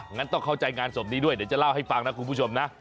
งั้นต้องเข้าใจงานศพนี้ด้วยเดี๋ยวจะเล่าให้ฟังนะคุณผู้ชมนะ